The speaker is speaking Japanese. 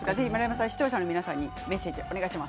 視聴者の皆さんにメッセージをお願いします。